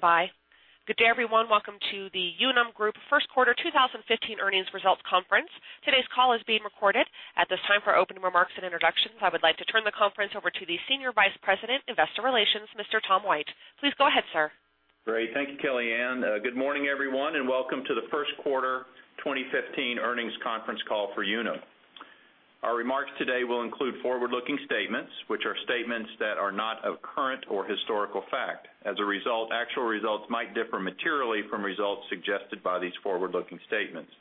Standby. Good day, everyone. Welcome to the Unum Group First Quarter 2015 Earnings Results Conference. Today's call is being recorded. At this time, for opening remarks and introductions, I would like to turn the conference over to the Senior Vice President, Investor Relations, Mr. Thomas White. Please go ahead, sir. Great. Thank you, Kellyanne. Good morning, everyone, and welcome to the first quarter 2015 earnings conference call for Unum. Our remarks today will include forward-looking statements, which are statements that are not of current or historical fact. As a result, actual results might differ materially from results suggested by these forward-looking statements.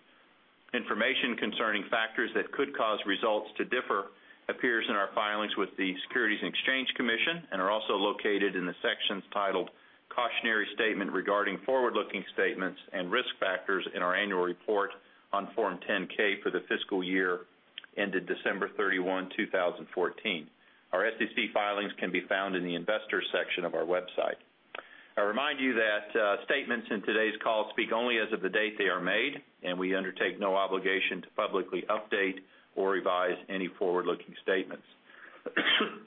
Information concerning factors that could cause results to differ appears in our filings with the Securities and Exchange Commission and are also located in the sections titled "Cautionary Statement regarding Forward-looking Statements and Risk Factors" in our annual report on Form 10-K for the fiscal year ended December 31, 2014. Our SEC filings can be found in the Investors section of our website. I remind you that statements in today's call speak only as of the date they are made, and we undertake no obligation to publicly update or revise any forward-looking statements.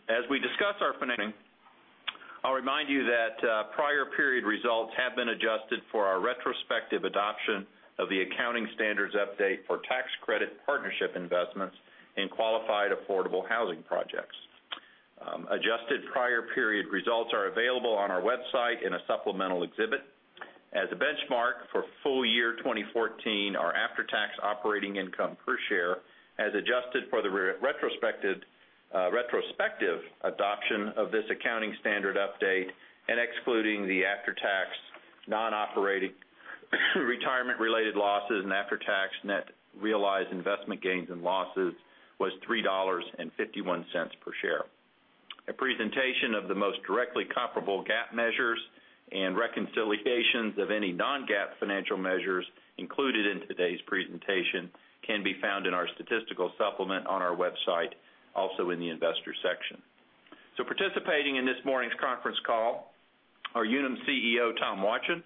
As we discuss our financing, I'll remind you that prior period results have been adjusted for our retrospective adoption of the accounting standards update for tax credit partnership investments in qualified affordable housing projects. Adjusted prior period results are available on our website in a supplemental exhibit. As a benchmark for full year 2014, our after-tax operating income per share as adjusted for the retrospective adoption of this accounting standard update and excluding the after-tax non-operating retirement-related losses and after-tax net realized investment gains and losses was $3.51 per share. A presentation of the most directly comparable GAAP measures and reconciliations of any non-GAAP financial measures included in today's presentation can be found in our statistical supplement on our website, also in the Investors section. Participating in this morning's conference call are Unum CEO, Tom Watjen,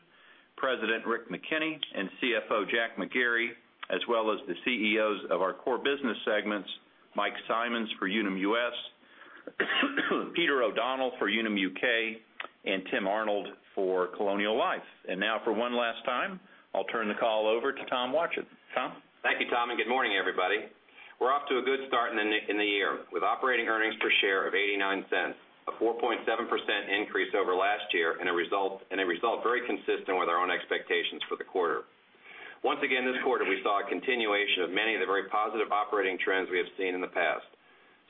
President Rick McKenney, and CFO Jack McGarry, as well as the CEOs of our core business segments, Mike Simonds for Unum US, Peter O'Donnell for Unum UK, and Tim Arnold for Colonial Life. Now for one last time, I'll turn the call over to Tom Watjen. Tom? Thank you, Tom, and good morning, everybody. We're off to a good start in the year with operating earnings per share of $0.89, a 4.7% increase over last year and a result very consistent with our own expectations for the quarter. Once again, this quarter, we saw a continuation of many of the very positive operating trends we have seen in the past.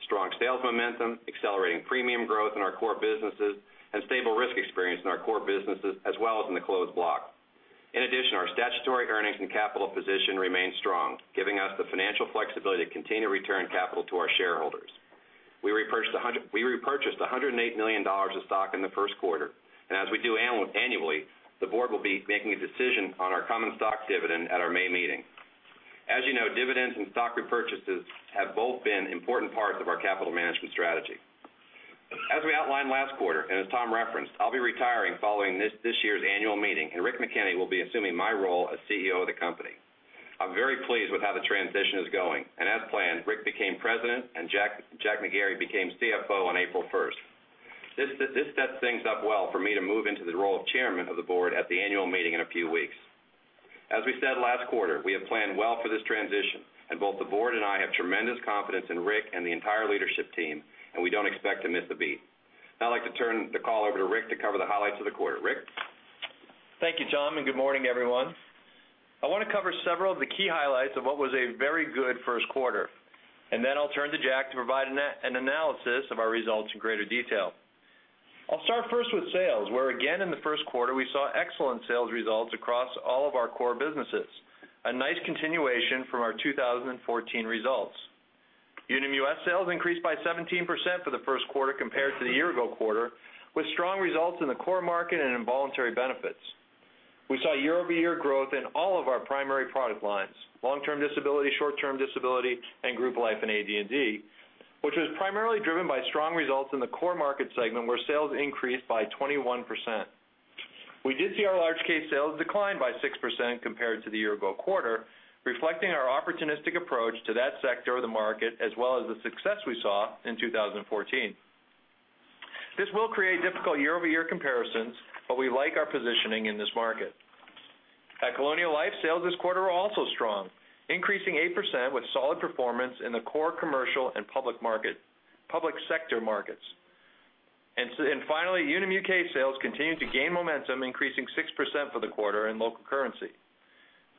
Strong sales momentum, accelerating premium growth in our core businesses, and stable risk experience in our core businesses, as well as in the closed block. In addition, our statutory earnings and capital position remain strong, giving us the financial flexibility to continue to return capital to our shareholders. We repurchased $108 million of stock in the first quarter, and as we do annually, the board will be making a decision on our common stock dividend at our May meeting. As you know, dividends and stock repurchases have both been important parts of our capital management strategy. As Tom referenced, I'll be retiring following this year's annual meeting, Rick McKenney will be assuming my role as CEO of the company. I'm very pleased with how the transition is going, as planned, Rick became President and Jack McGarry became CFO on April 1st. This sets things up well for me to move into the role of chairman of the board at the annual meeting in a few weeks. As we said last quarter, we have planned well for this transition, both the board and I have tremendous confidence in Rick and the entire leadership team, and we don't expect to miss a beat. I'd like to turn the call over to Rick to cover the highlights of the quarter. Rick? Thank you, Tom, and good morning, everyone. I want to cover several of the key highlights of what was a very good first quarter, then I'll turn to Jack to provide an analysis of our results in greater detail. I'll start first with sales, where again in the first quarter, we saw excellent sales results across all of our core businesses, a nice continuation from our 2014 results. Unum US sales increased by 17% for the first quarter compared to the year-ago quarter, with strong results in the core market and in voluntary benefits. We saw year-over-year growth in all of our primary product lines, long-term disability, short-term disability, and group life and AD&D, which was primarily driven by strong results in the core market segment, where sales increased by 21%. We did see our large case sales decline by 6% compared to the year-ago quarter, reflecting our opportunistic approach to that sector of the market, as well as the success we saw in 2014. This will create difficult year-over-year comparisons, we like our positioning in this market. At Colonial Life, sales this quarter were also strong, increasing 8% with solid performance in the core commercial and public sector markets. Finally, Unum UK sales continued to gain momentum, increasing 6% for the quarter in local currency.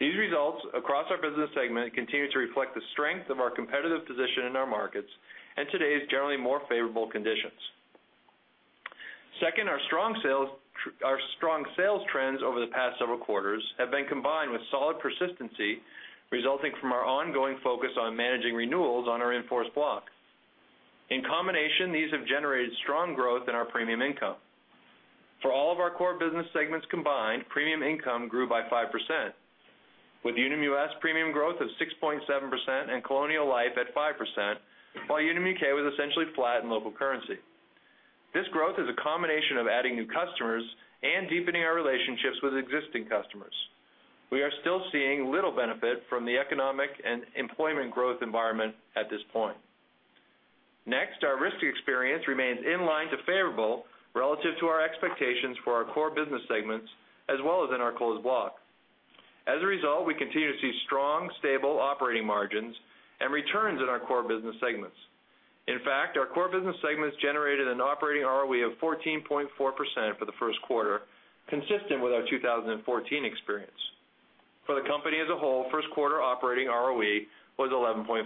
These results across our business segment continue to reflect the strength of our competitive position in our markets and today's generally more favorable conditions. Second, our strong sales trends over the past several quarters have been combined with solid persistency resulting from our ongoing focus on managing renewals on our in-force block. In combination, these have generated strong growth in our premium income. For all of our core business segments combined, premium income grew by 5%, with Unum US premium growth of 6.7% and Colonial Life at 5%, while Unum UK was essentially flat in local currency. This growth is a combination of adding new customers and deepening our relationships with existing customers. We are still seeing little benefit from the economic and employment growth environment at this point. Next, our risk experience remains in line to favorable relative to our expectations for our core business segments, as well as in our closed block. As a result, we continue to see strong, stable operating margins and returns in our core business segments. In fact, our core business segments generated an operating ROE of 14.4% for the first quarter, consistent with our 2014 experience. For the company as a whole, first quarter operating ROE was 11.5%.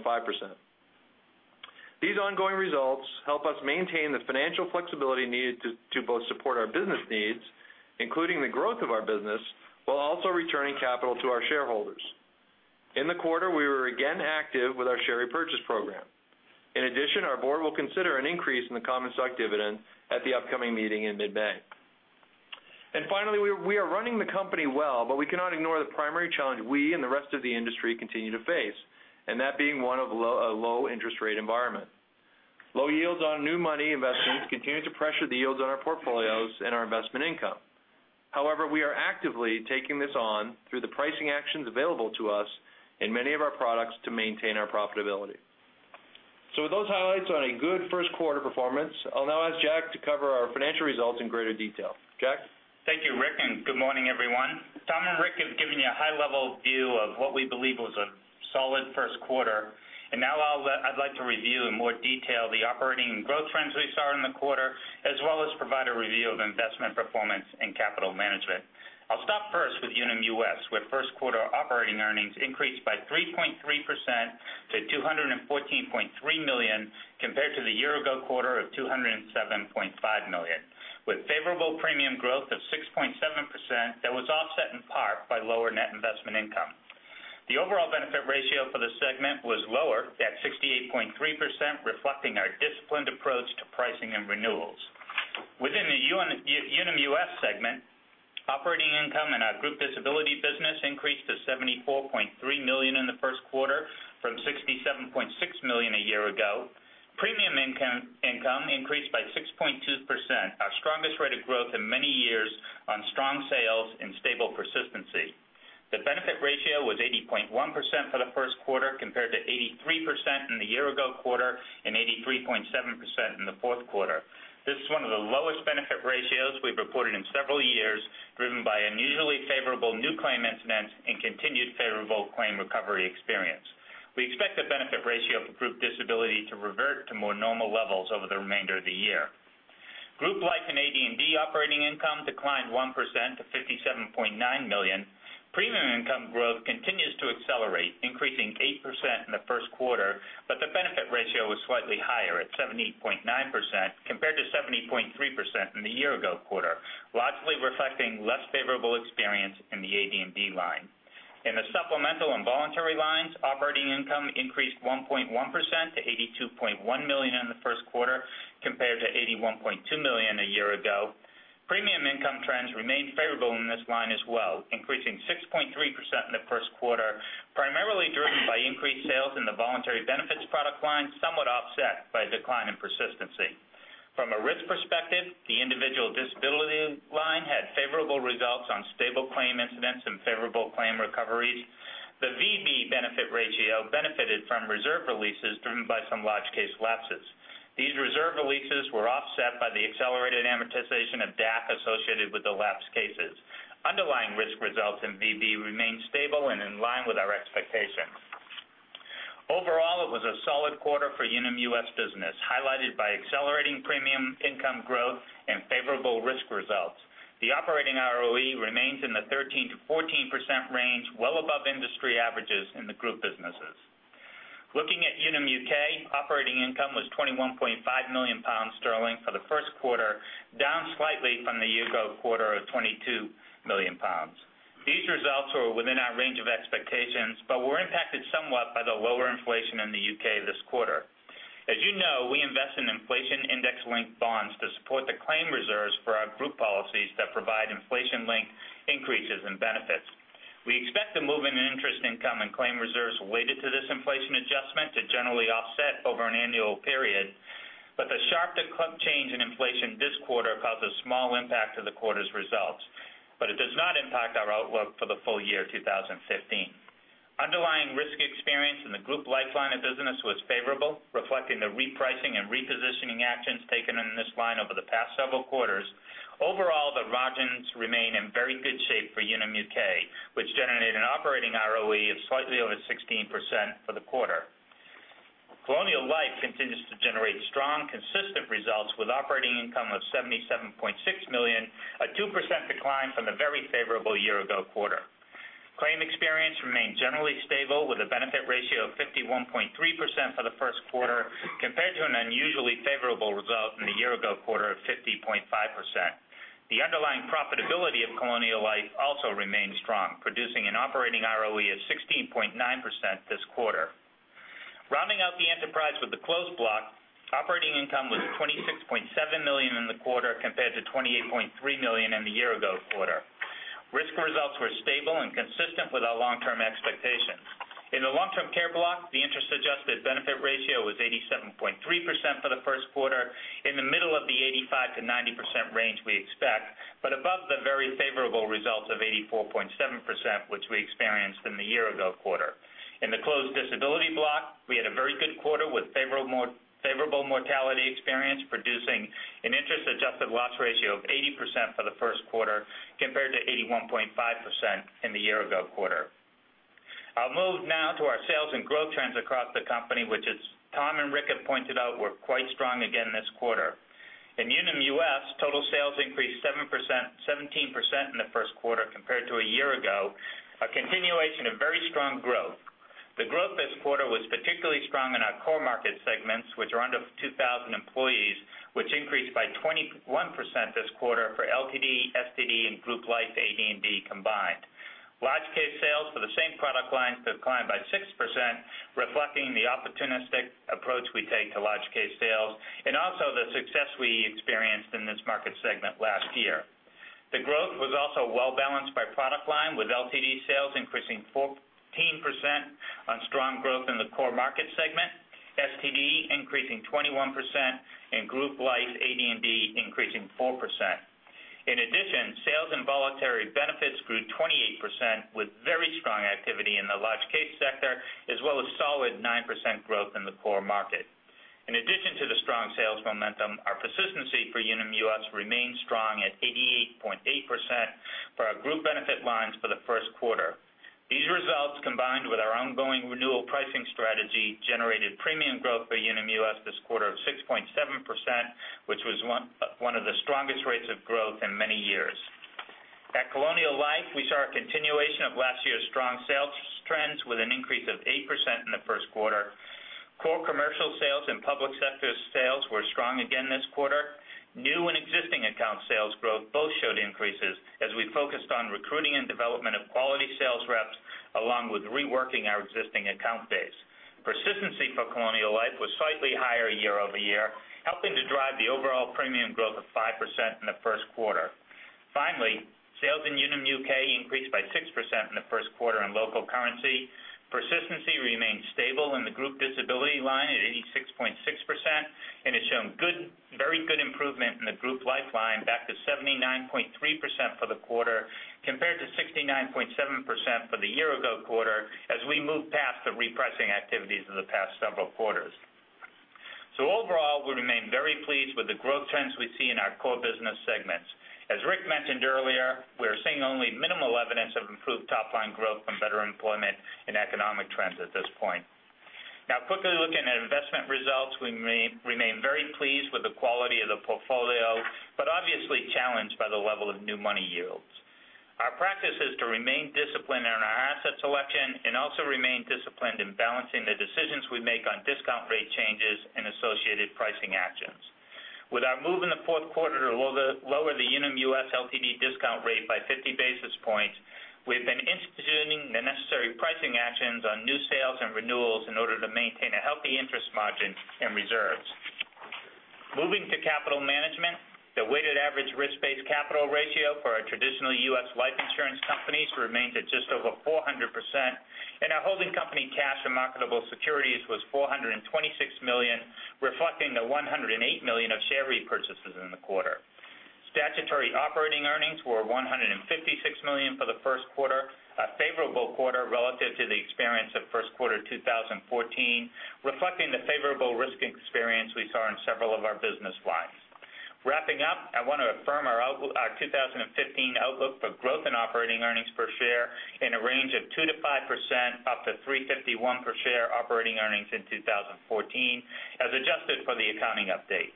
These ongoing results help us maintain the financial flexibility needed to both support our business needs, including the growth of our business, while also returning capital to our shareholders. In the quarter, we were again active with our share repurchase program. In addition, our board will consider an increase in the common stock dividend at the upcoming meeting in mid-May. Finally, we are running the company well, but we cannot ignore the primary challenge we and the rest of the industry continue to face, and that being one of a low interest rate environment. Low yields on new money investments continue to pressure the yields on our portfolios and our investment income. However, we are actively taking this on through the pricing actions available to us in many of our products to maintain our profitability. With those highlights on a good first quarter performance, I'll now ask Jack to cover our financial results in greater detail. Jack? Thank you, Rick, and good morning, everyone. Tom and Rick have given you a high-level view of what we believe was a solid first quarter. Now I'd like to review in more detail the operating and growth trends we saw in the quarter, as well as provide a review of investment performance and capital management. I'll start first with Unum US, where first quarter operating earnings increased by 3.3% to $214.3 million, compared to the year-ago quarter of $207.5 million. With favorable premium growth of 6.7%, that was offset in part by lower net investment income. The overall benefit ratio for the segment was lower at 68.3%, reflecting our disciplined approach to pricing and renewals. Within the Unum US segment, operating income in our group disability business increased to $74.3 million in the first quarter from $67.6 million a year ago. Premium income increased by 6.2%, our strongest rate of growth in many years on strong sales and stable persistency. The benefit ratio was 80.1% for the first quarter, compared to 83% in the year-ago quarter and 83.7% in the fourth quarter. This is one of the lowest benefit ratios we've reported in several years, driven by unusually favorable new claim incidents and continued favorable claim recovery experience. We expect the benefit ratio for group disability to revert to more normal levels over the remainder of the year. Group Life and AD&D operating income declined 1% to $57.9 million. Premium income growth continues to accelerate, increasing 8% in the first quarter. The benefit ratio was slightly higher at 78.9% compared to 70.3% in the year-ago quarter, largely reflecting less favorable experience in the AD&D line. In the supplemental and voluntary lines, operating income increased 1.1% to $82.1 million in the first quarter compared to $81.2 million a year ago. Premium income trends remained favorable in this line as well, increasing 6.3% in the first quarter, primarily driven by increased sales in the voluntary benefits product line, somewhat offset by a decline in persistency. From a risk perspective, the individual disability line had favorable results on stable claim incidents and favorable claim recoveries. The VB benefit ratio benefited from reserve releases driven by some large case lapses. These reserve releases were offset by the accelerated amortization of DAC associated with the lapsed cases. Underlying risk results in VB remain stable and in line with our expectations. Overall, it was a solid quarter for Unum US business, highlighted by accelerating premium income growth and favorable risk results. The operating ROE remains in the 13%-14% range, well above industry averages in the group businesses. Looking at Unum UK, operating income was 21.5 million pounds for the first quarter, down slightly from the year-ago quarter of 22 million pounds. These results were within our range of expectations. They were impacted somewhat by the lower inflation in the U.K. this quarter. As you know, we invest in inflation index-linked bonds to support the claim reserves for our group policies that provide inflation-linked increases in benefits. We expect the move in interest income and claim reserves related to this inflation adjustment to generally offset over an annual period. The sharp decline change in inflation this quarter caused a small impact to the quarter's results. It does not impact our outlook for the full year 2015. Underlying risk experience in the Group Life line of business was favorable, reflecting the repricing and repositioning actions taken in this line over the past several quarters. Overall, the margins remain in very good shape for Unum UK, which generated an operating ROE of slightly over 16% for the quarter. Colonial Life continues to generate strong, consistent results with operating income of $77.6 million, a 2% decline from the very favorable year-ago quarter. Claim experience remained generally stable with a benefit ratio of 51.3% for the first quarter compared to an unusually favorable result in the year-ago quarter of 50.5%. The underlying profitability of Colonial Life also remains strong, producing an operating ROE of 16.9% this quarter. Rounding out the enterprise with the closed block, operating income was $26.7 million in the quarter compared to $28.3 million in the year-ago quarter. Risk results were stable and consistent with our long-term expectations. In the long-term care block, the interest-adjusted benefit ratio was 87.3% for the first quarter, in the middle of the 85%-90% range we expect. Above the very favorable results of 84.7%, which we experienced in the year ago quarter. In the closed disability block, we had a very good quarter with favorable mortality experience producing an interest-adjusted loss ratio of 80% for the first quarter compared to 81.5% in the year ago quarter. I'll move now to our sales and growth trends across the company, which as Tom and Rick have pointed out, were quite strong again this quarter. In Unum US, total sales increased 17% in the first quarter compared to a year ago, a continuation of very strong growth. The growth this quarter was particularly strong in our core market segments, which are under 2,000 employees, which increased by 21% this quarter for LTD, STD, and group life AD&D combined. Large case sales for the same product lines declined by 6%, reflecting the opportunistic approach we take to large case sales, and also the success we experienced in this market segment last year. The growth was also well-balanced by product line, with LTD sales increasing 14% on strong growth in the core market segment, STD increasing 21%, and group life AD&D increasing 4%. In addition, sales and voluntary benefits grew 28% with very strong activity in the large case sector, as well as solid 9% growth in the core market. In addition to the strong sales momentum, our persistency for Unum US remains strong at 88.8% for our group benefit lines for the first quarter. These results, combined with our ongoing renewal pricing strategy, generated premium growth for Unum US this quarter of 6.7%, which was one of the strongest rates of growth in many years. At Colonial Life, we saw a continuation of last year's strong sales trends with an increase of 8% in the first quarter. Core commercial sales and public sector sales were strong again this quarter. New and existing account sales growth both showed increases as we focused on recruiting and development of quality sales reps, along with reworking our existing account base. Persistency for Colonial Life was slightly higher year-over-year, helping to drive the overall premium growth of 5% in the first quarter. Finally, sales in Unum UK increased by 6% in the first quarter in local currency. Persistency remained stable in the group disability line at 86.6% and has shown very good improvement in the group life line back to 79.3% for the quarter compared to 69.7% for the year ago quarter as we move past the repressing activities of the past several quarters. Overall, we remain very pleased with the growth trends we see in our core business segments. As Rick mentioned earlier, we're seeing only minimal evidence of improved top-line growth from better employment and economic trends at this point. Quickly looking at investment results, we remain very pleased with the quality of the portfolio, obviously challenged by the level of new money yields. Our practice is to remain disciplined in our asset selection and also remain disciplined in balancing the decisions we make on discount rate changes and associated pricing actions. With our move in the fourth quarter to lower the Unum US LTD discount rate by 50 basis points, we've been instituting the necessary pricing actions on new sales and renewals in order to maintain a healthy interest margin in reserves. Moving to capital management, the weighted average risk-based capital ratio for our traditional U.S. life insurance companies remains at just over 400%, and our holding company cash and marketable securities was $426 million, reflecting the $108 million of share repurchases in the quarter. Statutory operating earnings were $156 million for the first quarter, a favorable quarter relative to the experience of first quarter 2014, reflecting the favorable risk experience we saw in several of our business lines. Wrapping up, I want to affirm our 2015 outlook for growth in operating earnings per share in a range of 2%-5%, up to $3.51 per share operating earnings in 2014 as adjusted for the accounting update.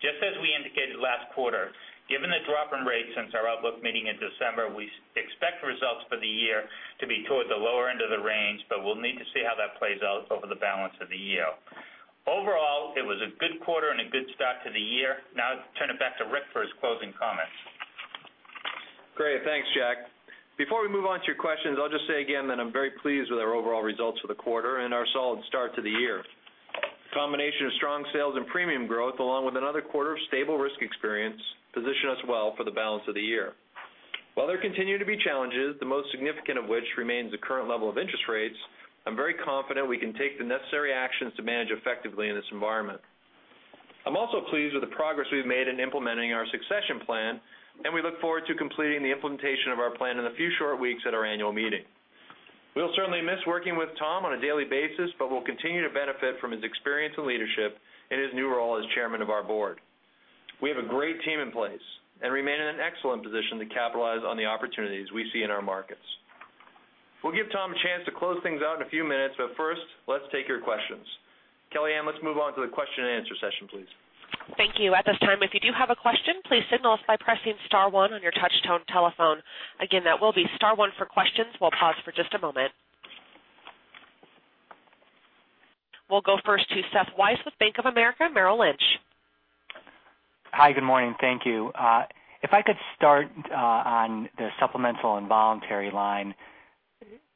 Just as we indicated last quarter, given the drop in rates since our outlook meeting in December, we expect results for the year to be toward the lower end of the range, but we'll need to see how that plays out over the balance of the year. Overall, it was a good quarter and a good start to the year. Now I'll turn it back to Rick for his closing comments. Great. Thanks, Jack. Before we move on to your questions, I'll just say again that I'm very pleased with our overall results for the quarter and our solid start to the year. A combination of strong sales and premium growth, along with another quarter of stable risk experience, position us well for the balance of the year. While there continue to be challenges, the most significant of which remains the current level of interest rates, I'm very confident we can take the necessary actions to manage effectively in this environment. I'm also pleased with the progress we've made in implementing our succession plan, and we look forward to completing the implementation of our plan in a few short weeks at our annual meeting. We'll certainly miss working with Tom on a daily basis. We'll continue to benefit from his experience and leadership in his new role as chairman of our board. We have a great team in place and remain in an excellent position to capitalize on the opportunities we see in our markets. We'll give Tom a chance to close things out in a few minutes. First, let's take your questions. Kellyanne, let's move on to the question and answer session, please. Thank you. At this time, if you do have a question, please signal us by pressing *1 on your touch-tone telephone. Again, that will be *1 for questions. We'll pause for just a moment. We'll go first to Seth Weiss with Bank of America Merrill Lynch. Hi, good morning. Thank you. If I could start on the supplemental and voluntary line,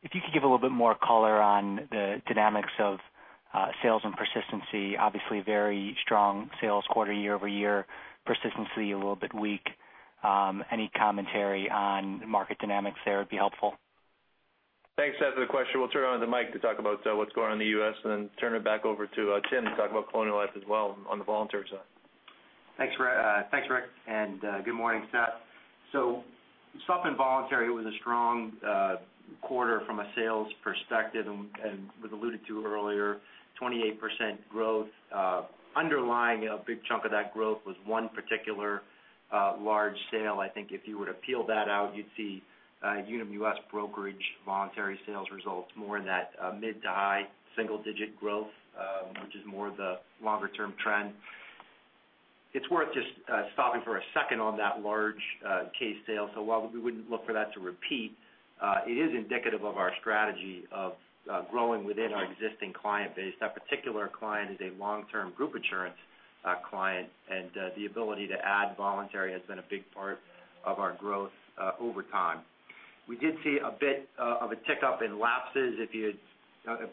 if you could give a little bit more color on the dynamics of sales and persistency. Obviously, very strong sales quarter year-over-year. Persistency, a little bit weak. Any commentary on market dynamics there would be helpful. Thanks, Seth, for the question. We'll turn it over to Mike to talk about what's going on in the U.S. and then turn it back over to Tim to talk about Colonial Life as well on the voluntary side. Thanks, Rick, and good morning, Seth. On voluntary, it was a strong quarter from a sales perspective, and was alluded to earlier, 28% growth. Underlying a big chunk of that growth was one particular large sale. I think if you were to peel that out, you'd see Unum U.S. brokerage voluntary sales results more in that mid-to-high single-digit growth, which is more the longer-term trend. It's worth just stopping for a second on that large case sale. While we wouldn't look for that to repeat, it is indicative of our strategy of growing within our existing client base. That particular client is a long-term group insurance client, and the ability to add voluntary has been a big part of our growth over time. We did see a bit of a tick up in lapses,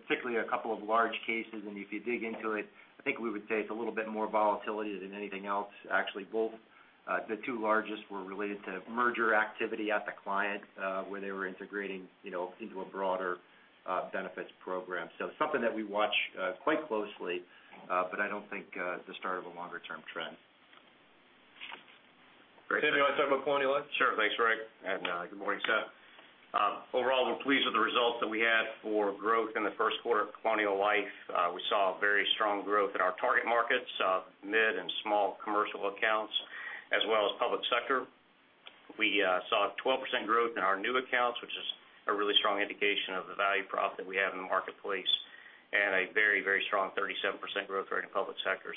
particularly a couple of large cases. If you dig into it, I think we would say it's a little bit more volatility than anything else. Both the two largest were related to merger activity at the client, where they were integrating into a broader benefits program. Something that we watch quite closely, but I don't think the start of a longer-term trend. Great. Tim, do you want to talk about Colonial Life? Sure. Thanks, Rick, and good morning, Seth. Overall, we're pleased with the results that we had for growth in the first quarter of Colonial Life. We saw very strong growth in our target markets, mid and small commercial accounts, as well as public sector. We saw a 12% growth in our new accounts, which is a really strong indication of the value prop that we have in the marketplace, and a very strong 37% growth rate in public sector.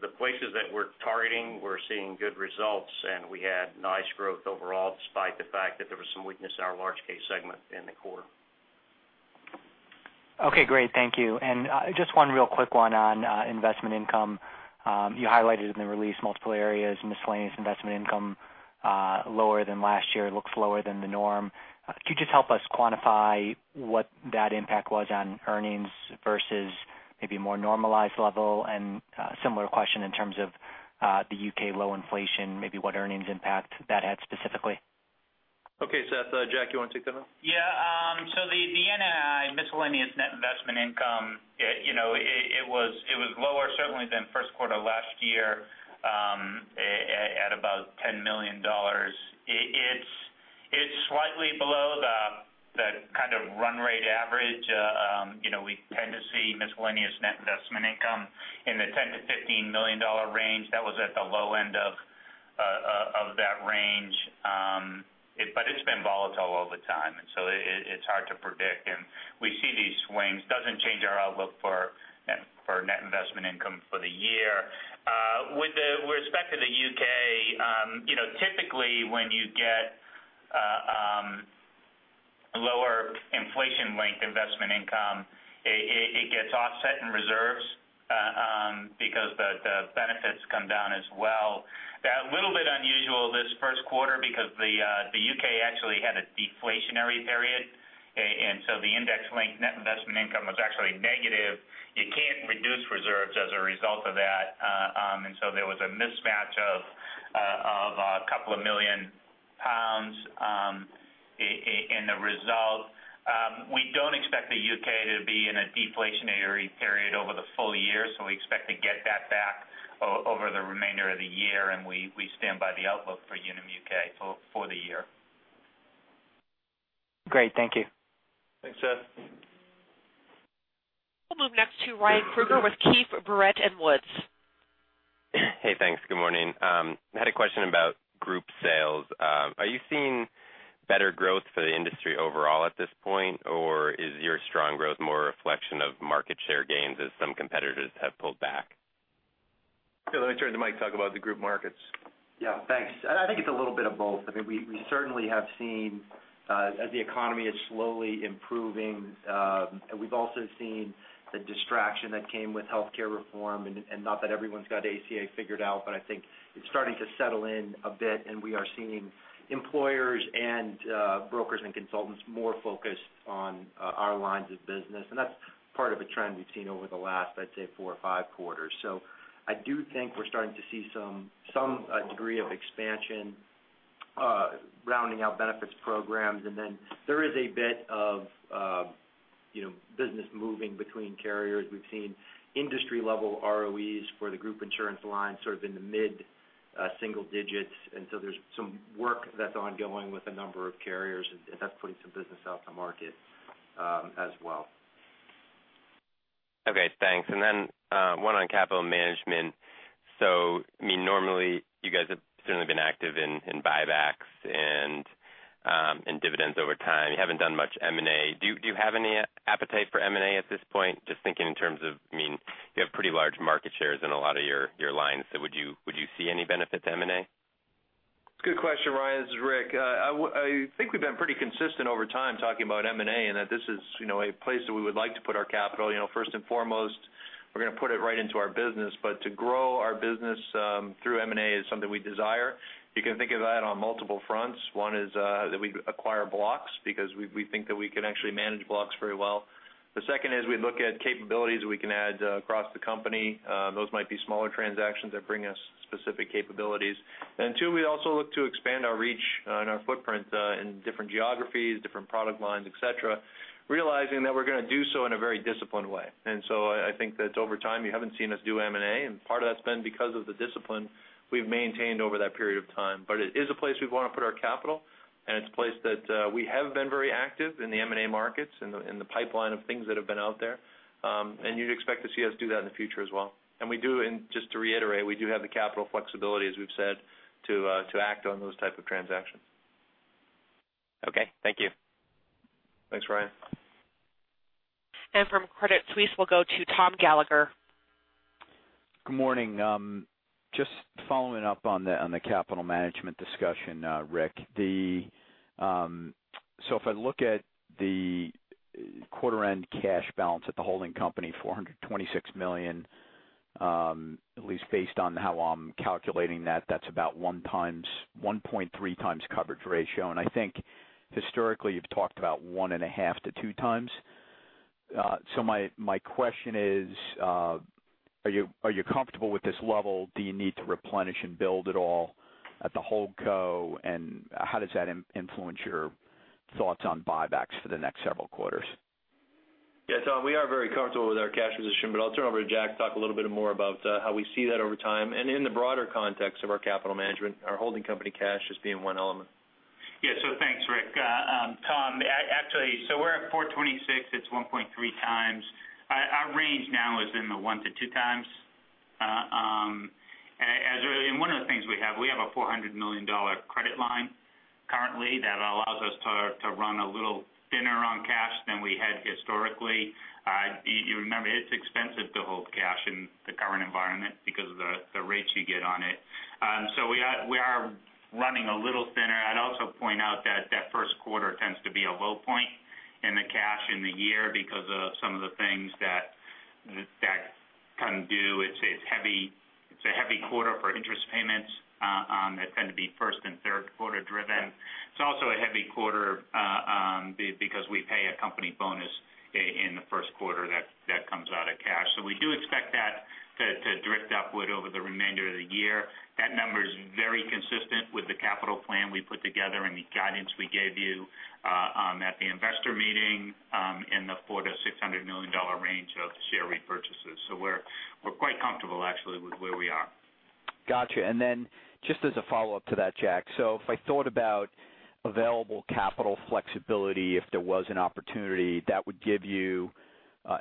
The places that we're targeting, we're seeing good results, and we had nice growth overall, despite the fact that there was some weakness in our large case segment in the quarter. Okay, great. Thank you. Just one real quick one on investment income. You highlighted in the release multiple areas, miscellaneous investment income lower than last year. It looks lower than the norm. Could you just help us quantify what that impact was on earnings versus maybe a more normalized level? Similar question in terms of the U.K. low inflation, maybe what earnings impact that had specifically? Okay, Seth. Jack, you want to take that one? Yeah. The NII, miscellaneous net investment income it was lower certainly than first quarter last year at about $10 million. It's slightly below the kind of run rate average. We tend to see miscellaneous net investment income in the $10 million-$15 million range. That was at the low end of that range. It's been volatile over time, it's hard to predict. We see these swings. Doesn't change our outlook for net investment income for the year. With respect to the U.K., typically when you get lower inflation-linked investment income, it gets offset in reserves because the benefits come down as well. A little bit unusual this first quarter because the U.K. actually had a deflationary period, the index-linked net investment income was actually negative. You can't reduce reserves as a result of that. There was a mismatch of a couple of million GBP in the result. We don't expect the U.K. to be in a deflationary period over the full year, we expect to get that back over the remainder of the year, we stand by the outlook for Unum UK for the year. Great. Thank you. Thanks, Seth. We'll move next to Ryan Krueger with Keefe, Bruyette & Woods. Hey, thanks. Good morning. I had a question about group sales. Are you seeing better growth for the industry overall at this point, or is your strong growth more a reflection of market share gains as some competitors have pulled back? Let me turn to Mike to talk about the group markets. Thanks. I think it's a little bit of both. We certainly have seen as the economy is slowly improving, we've also seen the distraction that came with health care reform. Not that everyone's got ACA figured out, but I think it's starting to settle in a bit and we are seeing employers and brokers and consultants more focused on our lines of business. That's part of a trend we've seen over the last, I'd say, four or five quarters. I do think we're starting to see some degree of expansion, rounding out benefits programs. There is a bit of business moving between carriers. We've seen industry level ROE for the group insurance line sort of in the mid-single digits. There's some work that's ongoing with a number of carriers, and that's putting some business out to market as well. Thanks. One on capital management. Normally you guys have certainly been active in buybacks and dividends over time. You haven't done much M&A. Do you have any appetite for M&A at this point? Just thinking in terms of, you have pretty large market shares in a lot of your lines. Would you see any benefit to M&A? Good question, Ryan. This is Rick. I think we've been pretty consistent over time talking about M&A, that this is a place that we would like to put our capital. First and foremost, we're going to put it right into our business. To grow our business through M&A is something we desire. You can think of that on multiple fronts. One is that we acquire blocks because we think that we can actually manage blocks very well. The second is we look at capabilities we can add across the company. Those might be smaller transactions that bring us specific capabilities. Two, we also look to expand our reach and our footprint in different geographies, different product lines, et cetera, realizing that we're going to do so in a very disciplined way. I think that over time, you haven't seen us do M&A, and part of that's been because of the discipline we've maintained over that period of time. It is a place we want to put our capital, and it's a place that we have been very active in the M&A markets, in the pipeline of things that have been out there. You'd expect to see us do that in the future as well. Just to reiterate, we do have the capital flexibility, as we've said, to act on those type of transactions. Okay, thank you. Thanks, Ryan. From Credit Suisse, we'll go to Thomas Gallagher. Good morning. Just following up on the capital management discussion, Rick. If I look at the quarter-end cash balance at the holding company, $426 million, at least based on how I'm calculating that's about 1.3 times coverage ratio. I think historically you've talked about one and a half to two times. My question is, are you comfortable with this level? Do you need to replenish and build at all at the holdco? How does that influence your thoughts on buybacks for the next several quarters? Yeah, Tom, we are very comfortable with our cash position, but I'll turn over to Jack to talk a little bit more about how we see that over time and in the broader context of our capital management, our holding company cash as being one element. Yeah. Thanks, Rick. Tom, actually, we're at $426. It's 1.3 times. Our range now is in the one to two times. One of the things we have, we have a $400 million credit line currently that allows us to run a little thinner on cash than we had historically. You remember, it's expensive to hold cash in the current environment because of the rates you get on it. We are running a little thinner. I'd also point out that first quarter tends to be a low point in the cash in the year because of some of the things that can do. It's a heavy quarter for interest payments that tend to be first and third quarter driven. It's also a heavy quarter because we pay a company bonus in the first quarter that comes out of cash. We do expect that to drift upward over the remainder of the year. That number is very consistent with the capital plan we put together and the guidance we gave you at the investor meeting in the $400 million-$600 million range of share repurchases. We're quite comfortable actually with where we are. Got you. Just as a follow-up to that, Jack, if I thought about available capital flexibility, if there was an opportunity that would give you,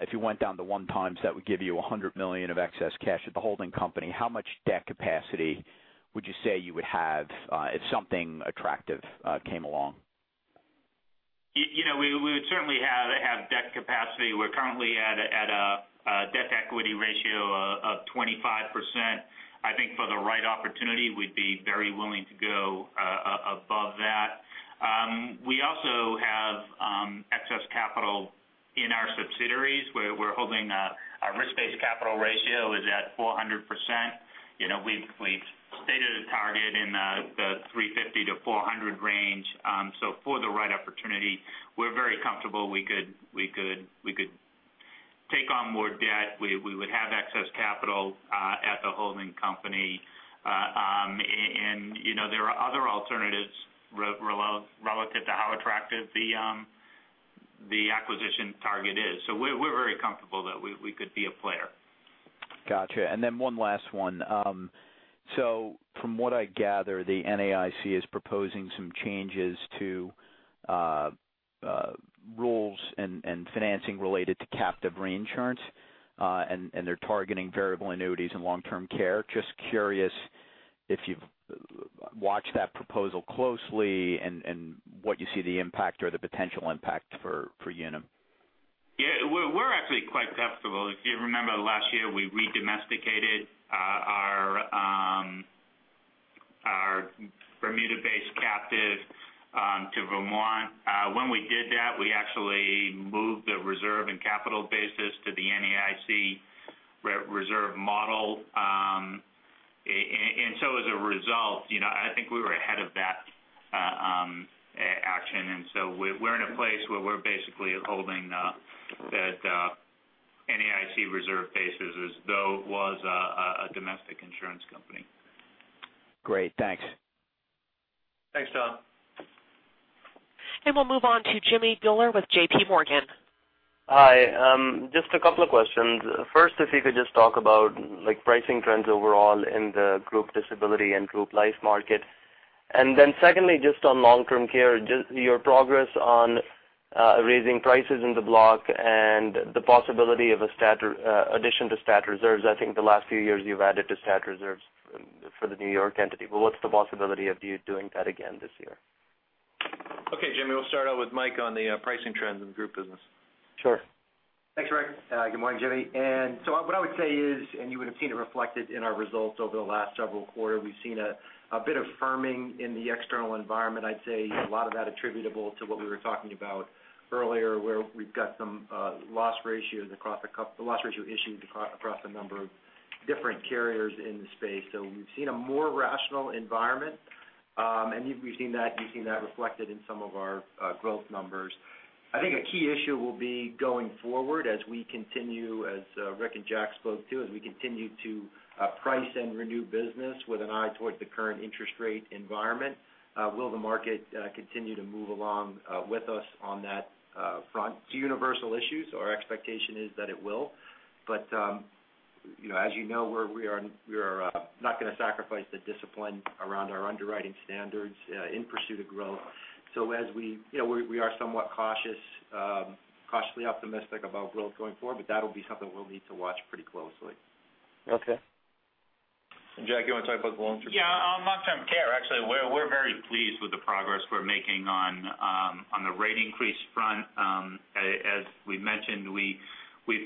if you went down to one times, that would give you $100 million of excess cash at the holding company. How much debt capacity would you say you would have if something attractive came along? We would certainly have debt capacity. We're currently at a debt equity ratio of 25%. I think for the right opportunity, we'd be very willing to go above that. We also have excess capital in our subsidiaries. We're holding our risk-based capital ratio is at 400%. We've stated a target in the 350 to 400 range. For the right opportunity, we're very comfortable we could take on more debt. We would have excess capital at the holding company. There are other alternatives relative to how attractive the acquisition target is. We're very comfortable that we could be a player. Got you. Then one last one. From what I gather, the NAIC is proposing some changes to rules and financing related to captive reinsurance. They're targeting variable annuities and long-term care. Just curious if you've watched that proposal closely and what you see the impact or the potential impact for Unum. Yeah, we're actually quite comfortable. If you remember last year, we redomesticated our Bermuda-based captive to Vermont. When we did that, we actually moved the reserve and capital basis to the NAIC reserve model. As a result, I think we were ahead of that action. We're in a place where we're basically holding that NAIC reserve basis as though it was a domestic insurance company. Great. Thanks. Thanks, Tom. We'll move on to Jimmy Bhullar with JPMorgan. Hi. Just a couple of questions. First, if you could just talk about pricing trends overall in the group disability and group life market. Secondly, just on long-term care, your progress on raising prices in the block and the possibility of addition to stat reserves. I think the last few years you've added to stat reserves for the New York entity, what's the possibility of you doing that again this year? Okay, Jimmy, we'll start out with Mike on the pricing trends in the group business. Sure. Thanks, Rick. Good morning, Jimmy. What I would say is, you would have seen it reflected in our results over the last several quarter, we've seen a bit of firming in the external environment. I'd say a lot of that attributable to what we were talking about earlier, where we've got some loss ratios issued across a number of different carriers in the space. We've seen a more rational environment We've seen that reflected in some of our growth numbers. I think a key issue will be going forward as we continue, as Rick and Jack spoke to, as we continue to price and renew business with an eye towards the current interest rate environment. Will the market continue to move along with us on that front? It's a universal issue, our expectation is that it will. As you know, we are not going to sacrifice the discipline around our underwriting standards in pursuit of growth. We are somewhat cautiously optimistic about growth going forward, but that'll be something we'll need to watch pretty closely. Okay. Jack, you want to talk about long-term care? Yeah, long-term care, actually, we're very pleased with the progress we're making on the rate increase front. As we mentioned, we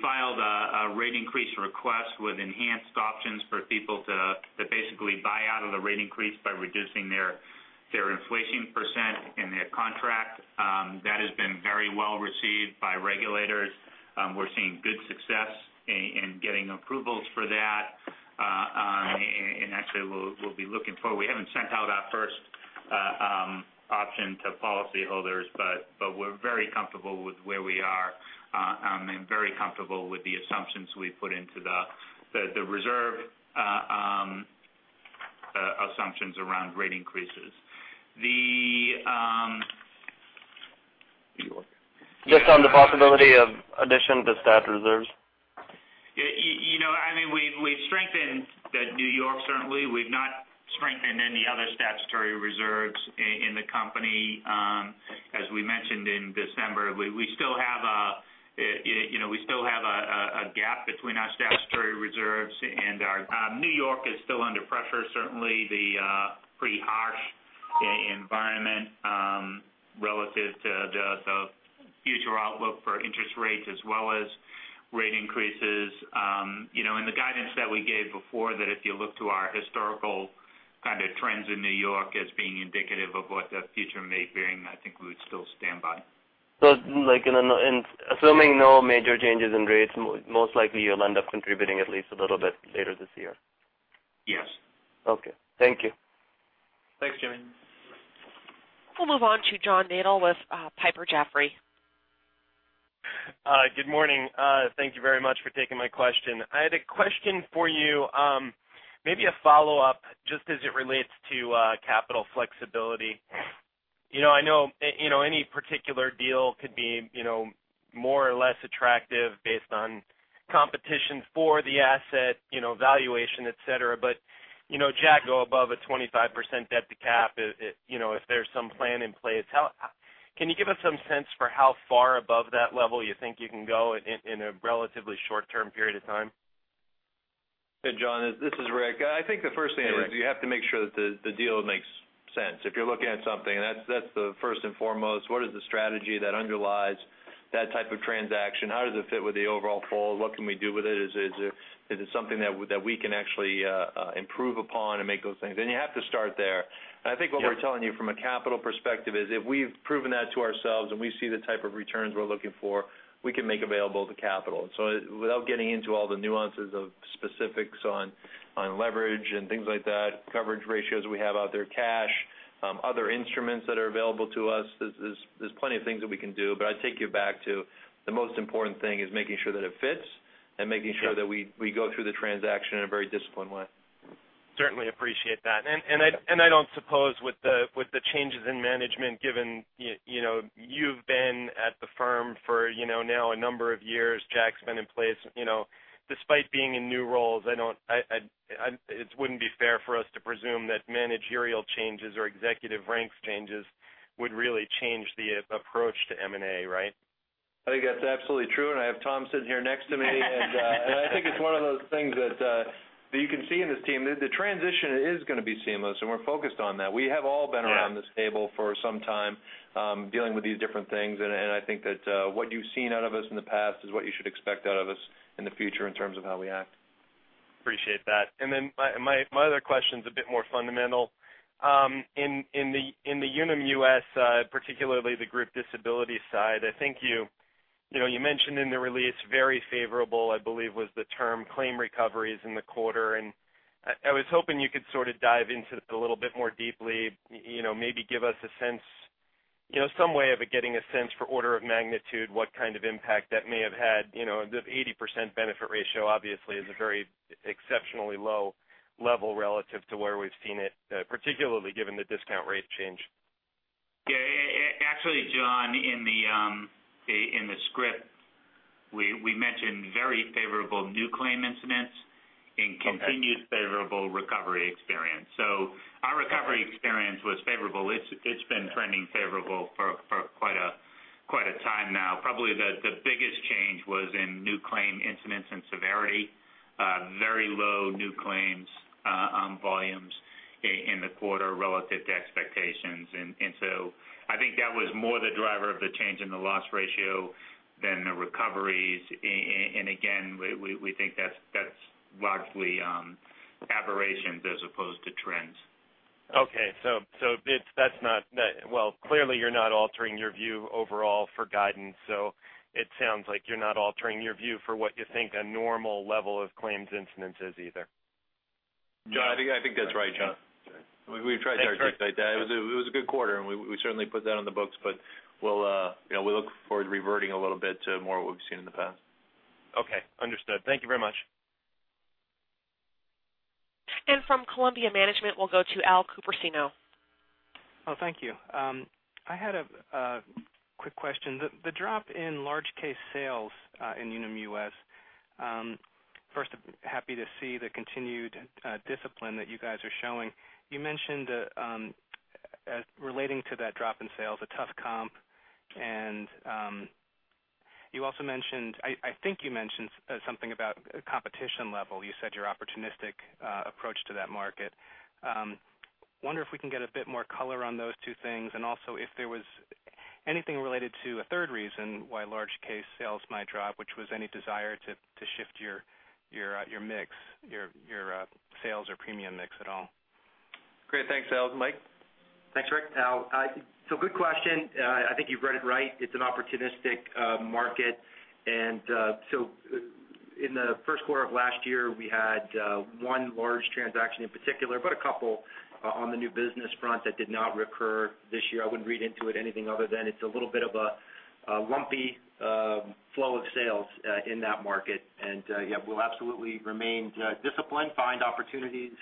filed a rate increase request with enhanced options for people to basically buy out of the rate increase by reducing their inflation % in their contract. That has been very well received by regulators. We're seeing good success in getting approvals for that. Actually, we'll be looking for, we haven't sent out our first option to policyholders, but we're very comfortable with where we are, and very comfortable with the assumptions we put into the reserve assumptions around rate increases. Just on the possibility of addition to stat reserves. We've strengthened the New York, certainly. We've not strengthened any other statutory reserves in the company. As we mentioned in December, we still have a gap between our statutory reserves and New York is still under pressure, certainly the pretty harsh environment relative to the future outlook for interest rates as well as rate increases. In the guidance that we gave before, that if you look to our historical kind of trends in New York as being indicative of what the future may bring, I think we would still stand by. Assuming no major changes in rates, most likely you'll end up contributing at least a little bit later this year? Yes. Okay. Thank you. Thanks, Jimmy. We'll move on to John Nadel with Piper Jaffray. Good morning. Thank you very much for taking my question. I had a question for you, maybe a follow-up just as it relates to capital flexibility. I know any particular deal could be more or less attractive based on competition for the asset, valuation, et cetera, but Jack go above a 25% debt to cap if there's some plan in place. Can you give us some sense for how far above that level you think you can go in a relatively short-term period of time? Hey, John, this is Rick. I think the first thing is you have to make sure that the deal makes sense. If you're looking at something, that's the first and foremost, what is the strategy that underlies that type of transaction? How does it fit with the overall flow? What can we do with it? Is it something that we can actually improve upon and make those things? You have to start there. I think what we're telling you from a capital perspective is if we've proven that to ourselves and we see the type of returns we're looking for, we can make available the capital. Without getting into all the nuances of specifics on leverage and things like that, coverage ratios we have out there, cash, other instruments that are available to us, there's plenty of things that we can do. I'd take you back to the most important thing is making sure that it fits and making sure that we go through the transaction in a very disciplined way. Certainly appreciate that. I don't suppose with the changes in management given you've been at the firm for now a number of years, Jack's been in place, despite being in new roles, it wouldn't be fair for us to presume that managerial changes or executive ranks changes would really change the approach to M&A, right? I think that's absolutely true. I have Tom sitting here next to me. I think it's one of those things that you can see in this team. The transition is going to be seamless, and we're focused on that. We have all been around- Yeah this table for some time dealing with these different things, and I think that what you've seen out of us in the past is what you should expect out of us in the future in terms of how we act. Appreciate that. My other question's a bit more fundamental. In the Unum US, particularly the group disability side, I think you mentioned in the release very favorable, I believe was the term, claim recoveries in the quarter. I was hoping you could sort of dive into it a little bit more deeply, maybe give us some way of getting a sense for order of magnitude, what kind of impact that may have had. The 80% benefit ratio obviously is a very exceptionally low level relative to where we've seen it, particularly given the discount rate change. Yeah. Actually, John, in the script, we mentioned very favorable new claim incidents- Okay and continued favorable recovery experience. Our recovery experience was favorable. It's been trending favorable for quite a time now. Probably the biggest change was in new claim incidents and severity. Very low new claims volumes in the quarter relative to expectations. I think that was more the driver of the change in the loss ratio than the recoveries. We think that's largely aberrations as opposed to trends. Okay. Well, clearly you're not altering your view overall for guidance, so it sounds like you're not altering your view for what you think a normal level of claims incidence is either. John, I think that's right, John. We tried our best at that. It was a good quarter, we certainly put that on the books, but we look forward to reverting a little bit to more of what we've seen in the past. Okay, understood. Thank you very much. From Columbia Management, we'll go to Al Cupersino. Oh, thank you. I had a quick question. The drop in large case sales in Unum US, first, happy to see the continued discipline that you guys are showing. You mentioned, relating to that drop in sales, a tough comp, and I think you mentioned something about competition level. You said your opportunistic approach to that market. Wonder if we can get a bit more color on those two things, and also if there was anything related to a third reason why large case sales might drop, which was any desire to shift your sales or premium mix at all. Great. Thanks, Al. Mike? Thanks, Rick. Good question. I think you've read it right. It's an opportunistic market. In the first quarter of last year, we had one large transaction in particular, but a couple on the new business front that did not recur this year. I wouldn't read into it anything other than it's a little bit of a lumpy flow of sales in that market. Yeah, we'll absolutely remain disciplined, find opportunities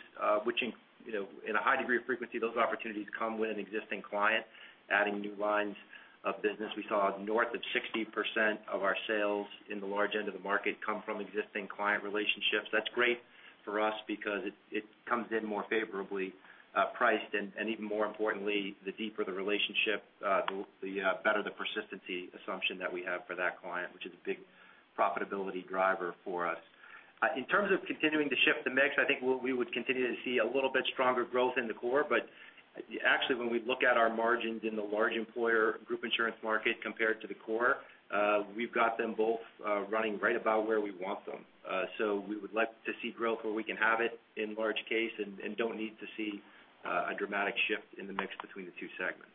which in a high degree of frequency, those opportunities come with an existing client adding new lines of business. We saw north of 60% of our sales in the large end of the market come from existing client relationships. That's great for us because it comes in more favorably priced and even more importantly, the deeper the relationship, the better the persistency assumption that we have for that client, which is a big profitability driver for us. In terms of continuing to shift the mix, I think we would continue to see a little bit stronger growth in the core, but actually when we look at our margins in the large employer group insurance market compared to the core, we've got them both running right about where we want them. We would like to see growth where we can have it in large case and don't need to see a dramatic shift in the mix between the two segments.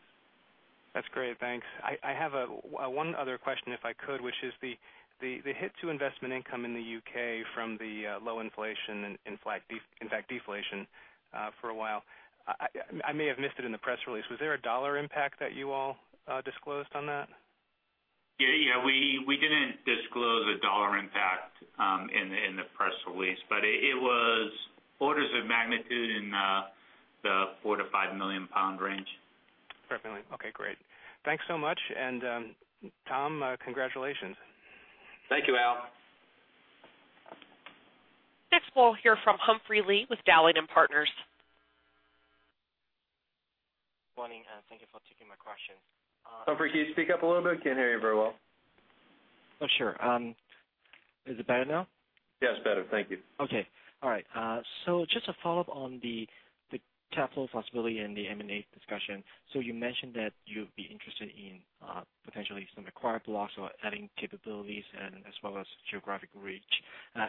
That's great. Thanks. I have one other question, if I could, which is the hit to investment income in the U.K. from the low inflation, in fact, deflation for a while. I may have missed it in the press release. Was there a dollar impact that you all disclosed on that? Yeah, we didn't disclose a dollar impact in the press release, but it was orders of magnitude in the 4 million-5 million pound range. Perfectly. Okay, great. Thanks so much. Tom, congratulations. Thank you, Al. Next, we'll hear from Humphrey Lee with Dowling & Partners. Morning, thank you for taking my question. Humphrey, can you speak up a little bit? Can't hear you very well. Oh, sure. Is it better now? Yes, better. Thank you. Okay. All right. Just a follow-up on the capital flexibility and the M&A discussion. You mentioned that you'd be interested in potentially some acquired blocks or adding capabilities as well as geographic reach.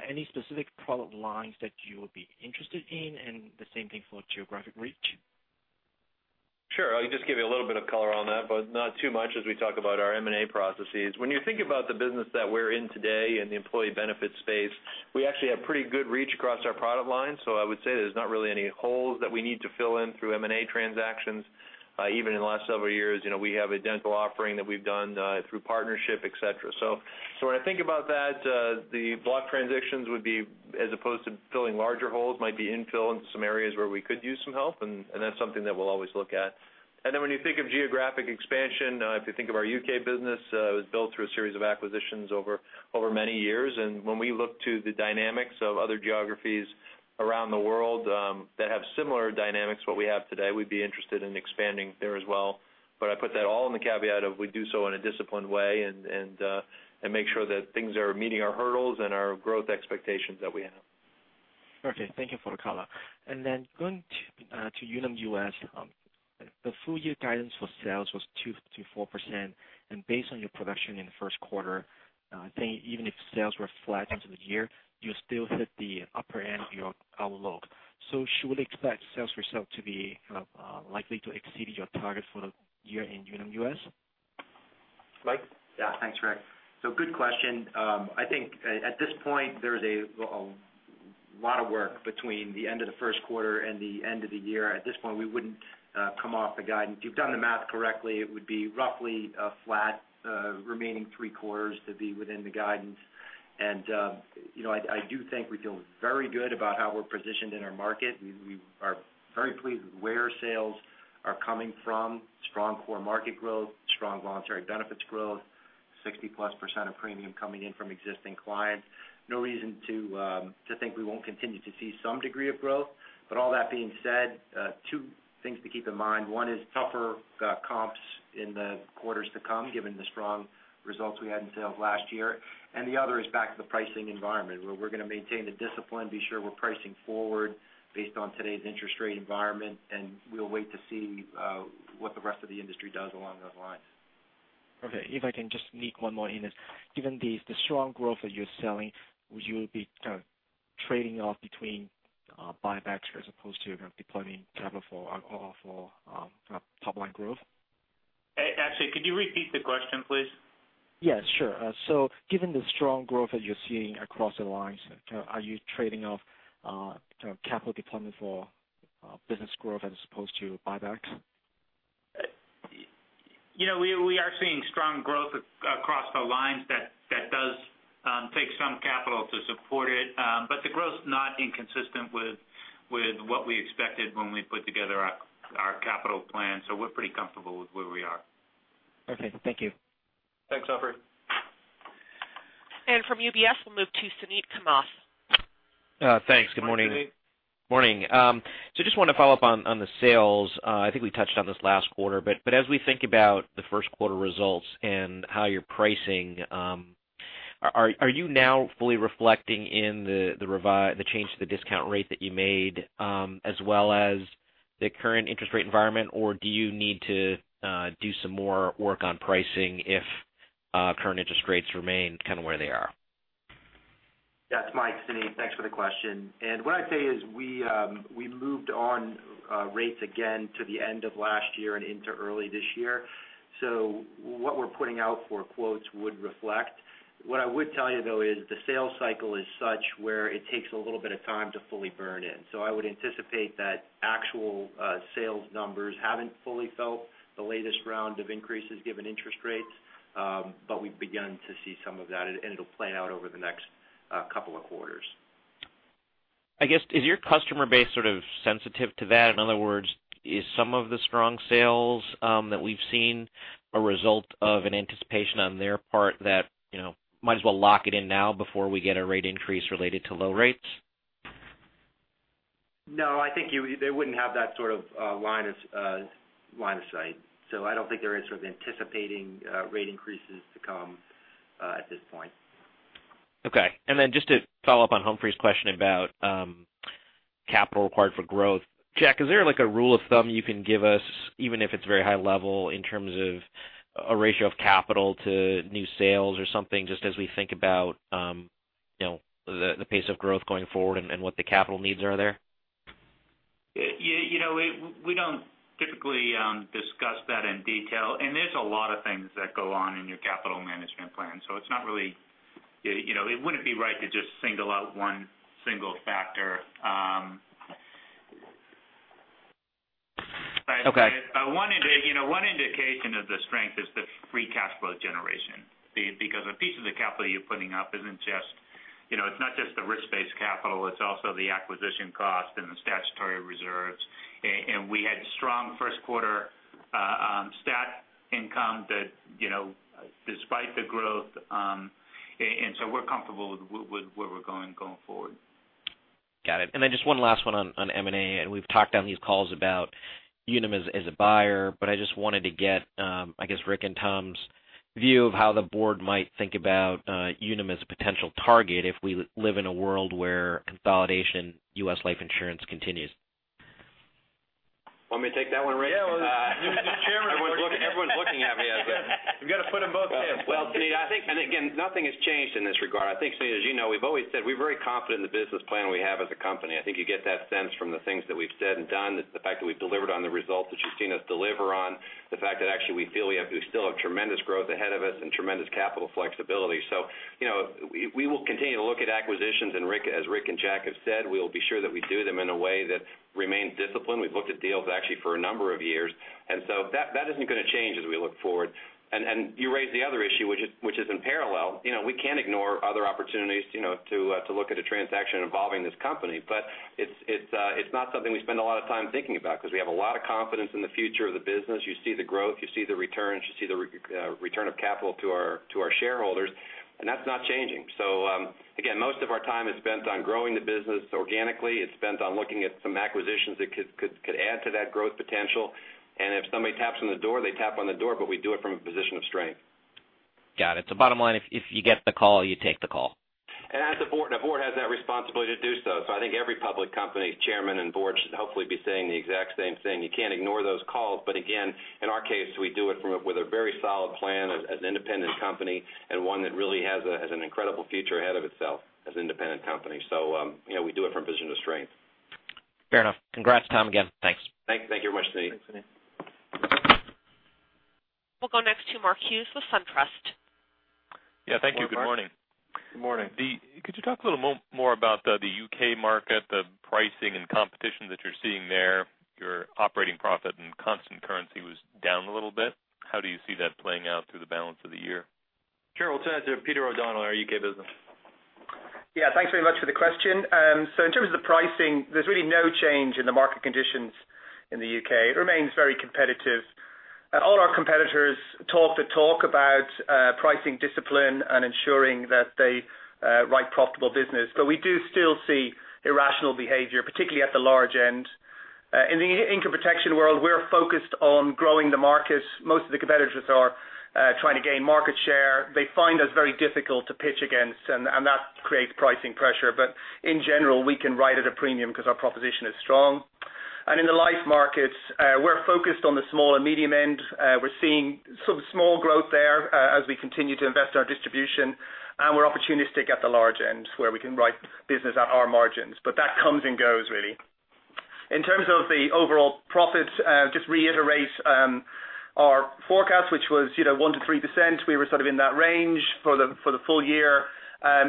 Any specific product lines that you would be interested in, and the same thing for geographic reach? Sure. I'll just give you a little bit of color on that, but not too much as we talk about our M&A processes. When you think about the business that we're in today in the employee benefits space, we actually have pretty good reach across our product lines. I would say there's not really any holes that we need to fill in through M&A transactions. Even in the last several years, we have a dental offering that we've done through partnership, et cetera. When I think about that, the block transitions would be, as opposed to filling larger holes, might be infill in some areas where we could use some help, and that's something that we'll always look at. When you think of geographic expansion, if you think of our U.K. business, it was built through a series of acquisitions over many years. When we look to the dynamics of other geographies around the world that have similar dynamics what we have today, we'd be interested in expanding there as well. I put that all in the caveat of we do so in a disciplined way and make sure that things are meeting our hurdles and our growth expectations that we have. Okay. Thank you for the color. Going to Unum US, the full year guidance for sales was 2%-4%, and based on your production in the first quarter, I think even if sales were flat into the year, you'll still hit the upper end of your outlook. Should we expect sales result to be likely to exceed your target for the year in Unum US? Mike? Yeah. Thanks, Rick. Good question. I think at this point, there is a lot of work between the end of the first quarter and the end of the year. At this point, we would not come off the guidance. If you have done the math correctly, it would be roughly a flat remaining three quarters to be within the guidance. I do think we feel very good about how we are positioned in our market. We are very pleased with where sales are coming from, strong core market growth, strong voluntary benefits growth, 60+% of premium coming in from existing clients. No reason to think we will not continue to see some degree of growth. All that being said, two things to keep in mind. One is tougher comps in the quarters to come, given the strong results we had in sales last year, and the other is back to the pricing environment where we are going to maintain the discipline, be sure we are pricing forward based on today's interest rate environment, and we will wait to see what the rest of the industry does along those lines. Okay, if I can just sneak one more in. Given the strong growth that you are selling, would you be kind of trading off between buybacks as opposed to kind of deploying capital for top line growth? Actually, could you repeat the question, please? Yeah, sure. Given the strong growth that you're seeing across the lines, are you trading off capital deployment for business growth as opposed to buybacks? We are seeing strong growth across the lines that does take some capital to support it. The growth is not inconsistent with what we expected when we put together our capital plan. We're pretty comfortable with where we are. Perfect. Thank you. Thanks, Humphrey. From UBS, we'll move to Suneet Kamath. Thanks. Good morning. Morning, Suneet. Morning. Just want to follow up on the sales. I think we touched on this last quarter, but as we think about the first quarter results and how you're pricing, are you now fully reflecting in the change to the discount rate that you made as well as the current interest rate environment, or do you need to do some more work on pricing if current interest rates remain kind of where they are? Yeah, it's Mike, Suneet. Thanks for the question. What I'd say is we moved on rates again to the end of last year and into early this year. What we're putting out for quotes would reflect. What I would tell you, though, is the sales cycle is such where it takes a little bit of time to fully burn in. I would anticipate that actual sales numbers haven't fully felt the latest round of increases given interest rates. We've begun to see some of that, and it'll plan out over the next couple of quarters. I guess, is your customer base sort of sensitive to that? In other words, is some of the strong sales that we've seen a result of an anticipation on their part that might as well lock it in now before we get a rate increase related to low rates? No, I think they wouldn't have that sort of line of sight. I don't think they're sort of anticipating rate increases to come at this point. Okay. Just to follow up on Humphrey's question about capital required for growth. Jack, is there like a rule of thumb you can give us, even if it's very high level in terms of a ratio of capital to new sales or something, just as we think about the pace of growth going forward and what the capital needs are there? We don't typically discuss that in detail. There's a lot of things that go on in your capital management plan. It wouldn't be right to just single out one single factor. Okay. One indication of the strength is the free cash flow generation, because a piece of the capital you're putting up it's not just the risk-based capital, it's also the acquisition cost and the statutory reserves. We had strong first quarter stat income despite the growth, we're comfortable with where we're going forward. Got it. Just one last one on M&A. We've talked on these calls about Unum as a buyer, but I just wanted to get, I guess, Rick and Tom's view of how the board might think about Unum as a potential target if we live in a world where consolidation U.S. life insurance continues. Want me to take that one, Rick? Yeah. As chairman- Everyone's looking at me as a- We've got to put them both in. Well, Suneet, I think. Again, nothing has changed in this regard. I think Suneet, as you know, we've always said we're very confident in the business plan we have as a company. I think you get that sense from the things that we've said and done, the fact that we've delivered on the results that you've seen us deliver on, the fact that actually we feel we still have tremendous growth ahead of us and tremendous capital flexibility. We will continue to look at acquisitions. As Rick and Jack have said, we'll be sure that we do them in a way that remains disciplined. We've looked at deals actually for a number of years. That isn't going to change as we look forward. You raised the other issue, which is in parallel. We can't ignore other opportunities to look at a transaction involving this company. It's not something we spend a lot of time thinking about because we have a lot of confidence in the future of the business. You see the growth, you see the returns, you see the return of capital to our shareholders, and that's not changing. Again, most of our time is spent on growing the business organically. It's spent on looking at some acquisitions that could add to that growth potential. If somebody taps on the door, they tap on the door, but we do it from a position of strength. Got it. Bottom line, if you get the call, you take the call. As a board, a board has that responsibility to do so. I think every public company chairman and board should hopefully be saying the exact same thing. You can't ignore those calls. Again, in our case, we do it with a very solid plan as an independent company and one that really has an incredible future ahead of itself as an independent company. We do it from a position of strength. Fair enough. Congrats, Tom, again. Thanks. Thank you very much, Suneet. Thanks, Suneet. We'll go next to Mark Hughes with SunTrust. Yeah, thank you. Good morning. Good morning. Could you talk a little more about the U.K. market, the pricing and competition that you're seeing there? Your operating profit and constant currency was down a little bit. How do you see that playing out through the balance of the year? Sure. I'll turn it to Peter O'Donnell, our U.K. business. Yeah, thanks very much for the question. In terms of the pricing, there's really no change in the market conditions in the U.K. It remains very competitive. All our competitors talk the talk about pricing discipline and ensuring that they write profitable business. We do still see irrational behavior, particularly at the large end. In the income protection world, we're focused on growing the market. Most of the competitors are trying to gain market share. They find us very difficult to pitch against, and that creates pricing pressure. But in general, we can write at a premium because our proposition is strong. In the life markets, we're focused on the small and medium end. We're seeing some small growth there as we continue to invest in our distribution, and we're opportunistic at the large end where we can write business at our margins. That comes and goes really. In terms of the overall profit, just to reiterate our forecast, which was one to three %, we were sort of in that range for the full year.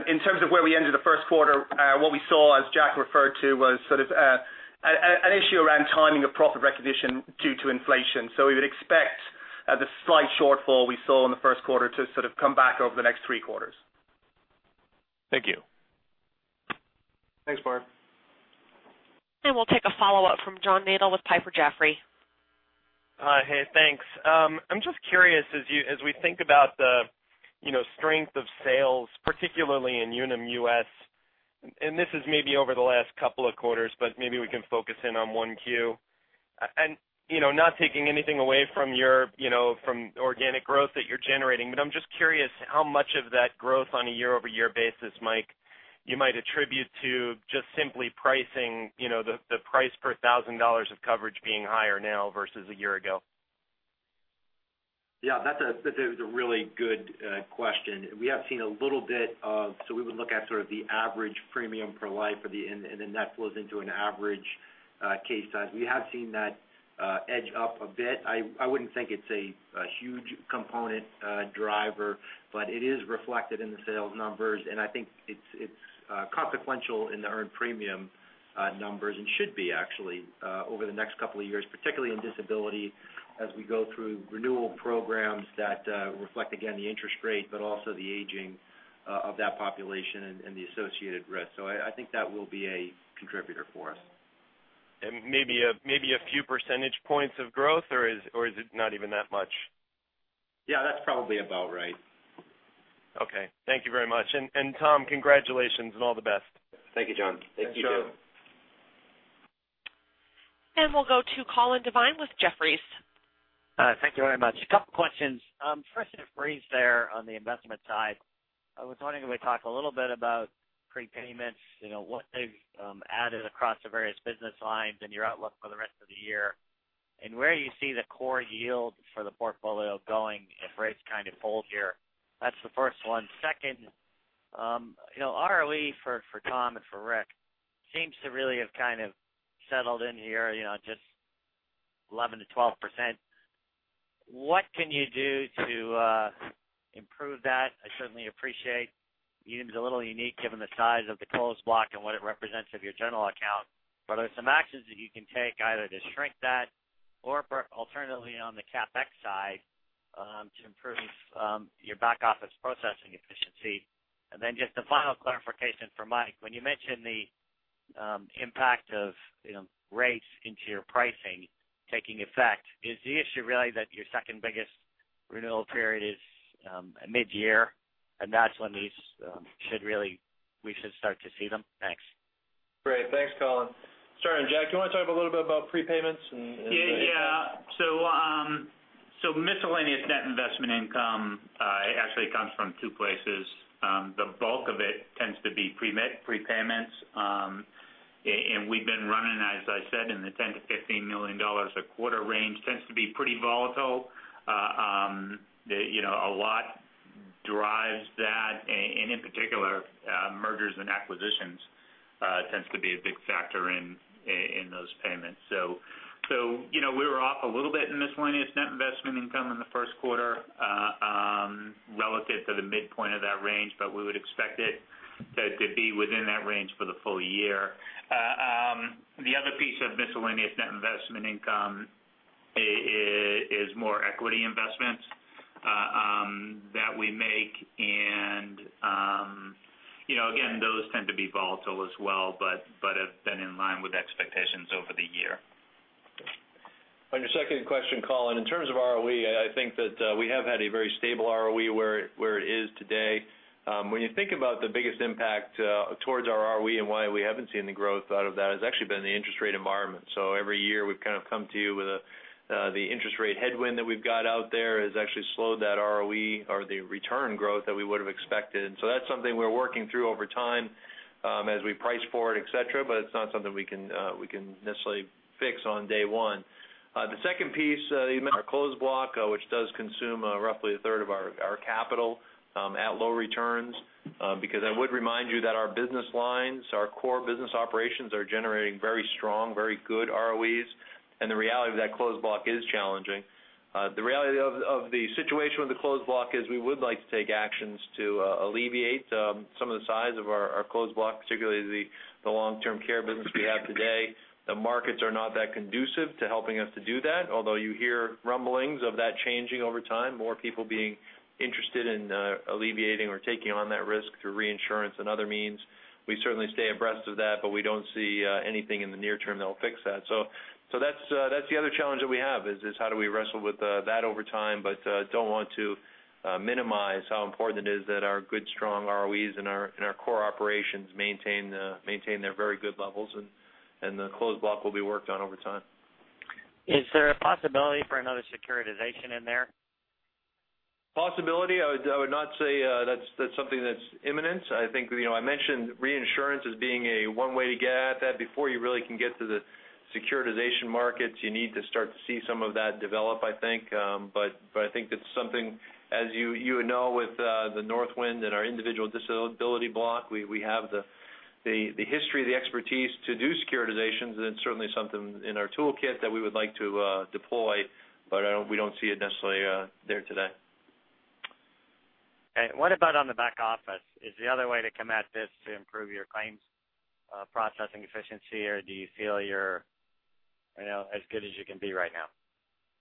In terms of where we ended the first quarter, what we saw, as Jack referred to, was an issue around timing of profit recognition due to inflation. We would expect the slight shortfall we saw in the first quarter to come back over the next three quarters. Thank you. Thanks, Mark. We'll take a follow-up from John Nadel with Piper Jaffray. Hey, thanks. I'm just curious, as we think about the strength of sales, particularly in Unum US, this is maybe over the last couple of quarters, but maybe we can focus in on 1 Q. Not taking anything away from organic growth that you're generating, but I'm just curious how much of that growth on a year-over-year basis, Mike, you might attribute to just simply pricing, the price per $1,000 of coverage being higher now versus a year ago. Yeah, that's a really good question. We have seen a little bit of, we would look at sort of the average premium for life, and then that flows into an average case size. We have seen that edge up a bit. I wouldn't think it's a huge component driver, but it is reflected in the sales numbers, and I think it's consequential in the earned premium numbers and should be actually over the next couple of years, particularly in disability as we go through renewal programs that reflect, again, the interest rate, but also the aging of that population and the associated risk. I think that will be a contributor for us. Maybe a few percentage points of growth, or is it not even that much? Yeah, that's probably about right. Okay. Thank you very much. Tom, congratulations and all the best. Thank you, John. Thank you. Thanks, John. We'll go to Colin Devine with Jefferies. Thank you very much. A couple questions. First, if Reeves there on the investment side, I was wondering if we talk a little bit about prepayments, what they've added across the various business lines and your outlook for the rest of the year, and where you see the core yield for the portfolio going if rates kind of hold here. That's the first one. Second, ROE for Tom and for Rick seems to really have kind of settled in here, just 11%-12%. What can you do to improve that? I certainly appreciate Unum's a little unique given the size of the closed block and what it represents of your general account, but are there some actions that you can take either to shrink that or alternatively on the CapEx side to improve your back-office processing efficiency? Then just a final clarification for Mike. When you mention the impact of rates into your pricing taking effect, is the issue really that your second-biggest renewal period is mid-year, and that's when these should really, we should start to see them? Thanks. Great. Thanks, Colin. Starting with Jack, do you want to talk a little bit about prepayments and- Yeah. Miscellaneous net investment income actually comes from two places. The bulk of it tends to be prepayments, and we've been running, as I said, in the $10 million-$15 million a quarter range. Tends to be pretty volatile. A lot derives that, and in particular, mergers and acquisitions tends to be a big factor in those payments. We were off a little bit in miscellaneous net investment income in the first quarter relative to the midpoint of that range, but we would expect it to be within that range for the full year. The other piece of miscellaneous net investment income is more equity investments that we make, and again, those tend to be volatile as well but have been in line with expectations over the year. On your second question, Colin, in terms of ROE, I think that we have had a very stable ROE where it is today. When you think about the biggest impact towards our ROE and why we haven't seen the growth out of that has actually been the interest rate environment. Every year, we've kind of come to you with the interest rate headwind that we've got out there has actually slowed that ROE or the return growth that we would've expected. That's something we're working through over time as we price for it, et cetera, but it's not something we can necessarily fix on day one. The second piece, you mentioned our closed block, which does consume roughly a third of our capital at low returns because I would remind you that our business lines, our core business operations are generating very strong, very good ROEs, and the reality of that closed block is challenging. The reality of the situation with the closed block is we would like to take actions to alleviate some of the size of our closed block, particularly the long-term care business we have today. The markets are not that conducive to helping us to do that. Although you hear rumblings of that changing over time, more people being interested in alleviating or taking on that risk through reinsurance and other means. We certainly stay abreast of that, but we don't see anything in the near term that'll fix that. That's the other challenge that we have is how do we wrestle with that over time, but don't want to minimize how important it is that our good, strong ROEs in our core operations maintain their very good levels, and the closed block will be worked on over time. Is there a possibility for another securitization in there? Possibility. I would not say that's something that's imminent. I think I mentioned reinsurance as being one way to get at that. Before you really can get to the securitization markets, you need to start to see some of that develop, I think. I think that's something, as you would know with Northwind and our individual disability block, we have the history of the expertise to do securitizations, and it's certainly something in our toolkit that we would like to deploy, but we don't see it necessarily there today. Okay. What about on the back office? Is the other way to come at this to improve your claims processing efficiency, or do you feel you're as good as you can be right now?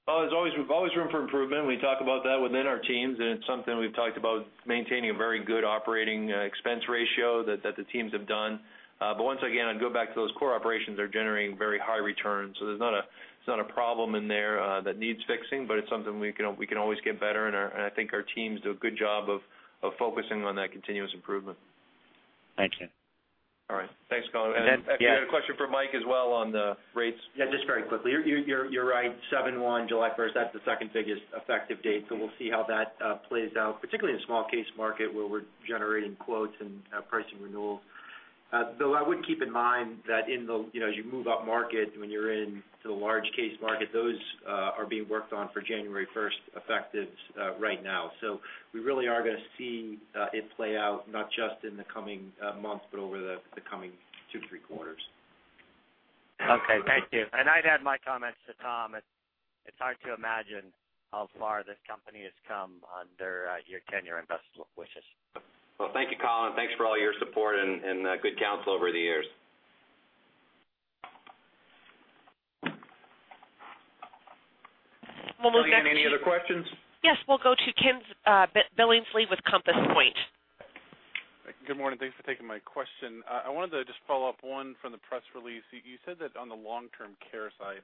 Well, there's always room for improvement, and we talk about that within our teams, and it's something we've talked about maintaining a very good operating expense ratio that the teams have done. Once again, I'd go back to those core operations are generating very high returns. There's not a problem in there that needs fixing, but it's something we can always get better in, and I think our teams do a good job of focusing on that continuous improvement. Thank you. All right. Thanks, Colin. I think we had a question from Mike as well on the rates. Yeah, just very quickly. You're right, 7/1, July 1st, that's the second-biggest effective date, so we'll see how that plays out, particularly in the small case market, where we're generating quotes and pricing renewals. Though I would keep in mind that as you move upmarket, when you're into the large case market, those are being worked on for January 1st effectives right now. We really are going to see it play out not just in the coming months, but over the coming two, three quarters. Okay, thank you. I'd add my comments to Tom. It's hard to imagine how far this company has come under your tenure, and best wishes. Well, thank you, Colin. Thanks for all your support and good counsel over the years. Well, Colin, any other questions? Yes, we'll go to Ken Billingsley with Compass Point. Good morning. Thanks for taking my question. I wanted to just follow up one from the press release. You said that on the long-term care side,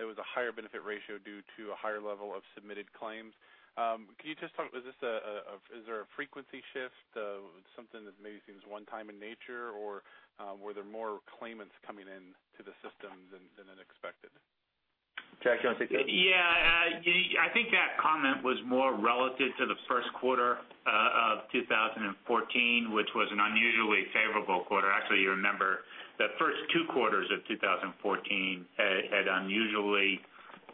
it was a higher benefit ratio due to a higher level of submitted claims. Is there a frequency shift, something that maybe seems one-time in nature, or were there more claimants coming into the system than expected? Jack, do you want to take that? Yeah. I think that comment was more relative to the first quarter of 2014, which was an unusually favorable quarter. Actually, you remember the first two quarters of 2014 had unusually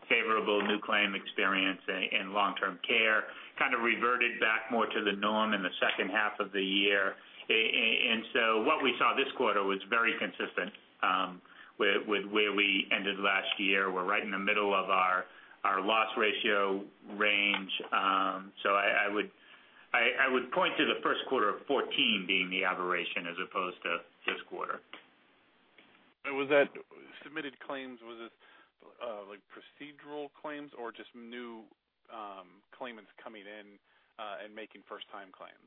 favorable new claim experience in long-term care. Kind of reverted back more to the norm in the second half of the year. What we saw this quarter was very consistent with where we ended last year. We're right in the middle of our loss ratio range. I would point to the first quarter of 2014 being the aberration as opposed to this quarter. Was that submitted claims, was this procedural claims or just new claimants coming in and making first-time claims?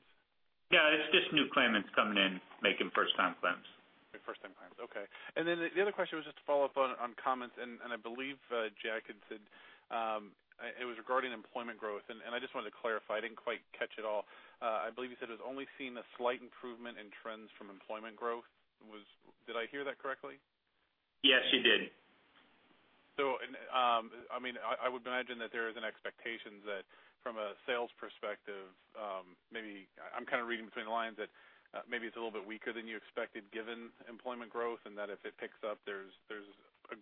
Yeah, it's just new claimants coming in making first-time claims. Making first-time claims. Okay. The other question was just to follow up on comments, I believe Jack had said, it was regarding employment growth, I just wanted to clarify. I didn't quite catch it all. I believe you said it has only seen a slight improvement in trends from employment growth. Did I hear that correctly? Yes, you did. I would imagine that there is an expectation that from a sales perspective, I'm kind of reading between the lines that maybe it's a little bit weaker than you expected given employment growth, that if it picks up, there's a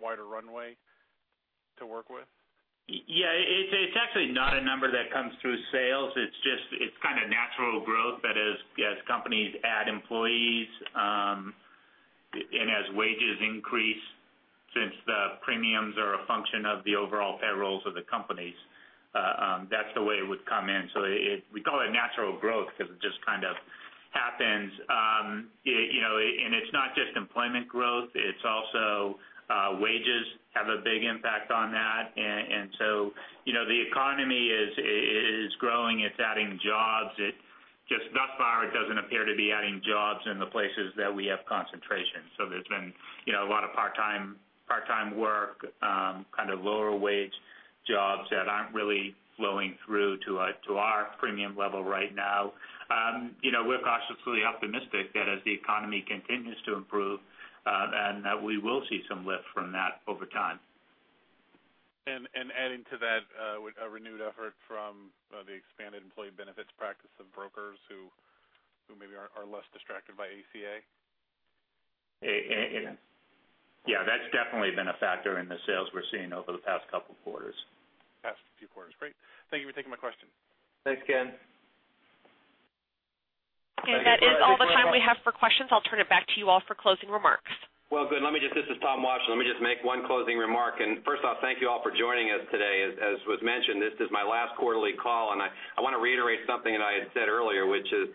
wider runway to work with? it's actually not a number that comes through sales. It's kind of natural growth that as companies add employees, as wages increase, since the premiums are a function of the overall payrolls of the companies, that's the way it would come in. We call it natural growth because it just kind of happens. It's not just employment growth, it's also wages have a big impact on that. The economy is growing. It's adding jobs. Just thus far, it doesn't appear to be adding jobs in the places that we have concentration. There's been a lot of part-time work, kind of lower-wage jobs that aren't really flowing through to our premium level right now. We're cautiously optimistic that as the economy continues to improve, that we will see some lift from that over time. Adding to that, a renewed effort from the expanded employee benefits practice of brokers who maybe are less distracted by ACA? Yeah, that's definitely been a factor in the sales we're seeing over the past couple of quarters. Past few quarters. Great. Thank you for taking my question. Thanks, Ken. That is all the time we have for questions. I'll turn it back to you all for closing remarks. Well, good. This is Tom Watjen. Let me just make one closing remark. First off, thank you all for joining us today. As was mentioned, this is my last quarterly call, and I want to reiterate something that I had said earlier, which is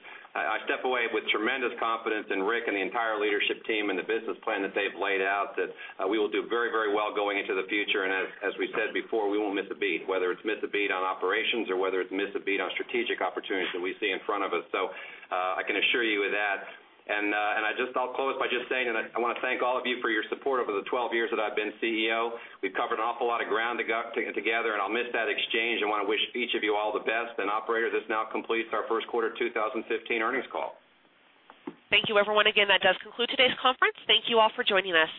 I step away with tremendous confidence in Rick and the entire leadership team and the business plan that they've laid out, that we will do very, very well going into the future. As we've said before, we won't miss a beat, whether it's miss a beat on operations or whether it's miss a beat on strategic opportunities that we see in front of us. I can assure you of that. I'll close by just saying that I want to thank all of you for your support over the 12 years that I've been CEO. We've covered an awful lot of ground together, and I'll miss that exchange. I want to wish each of you all the best. Operator, this now completes our first quarter 2015 earnings call. Thank you, everyone. That does conclude today's conference. Thank you all for joining us.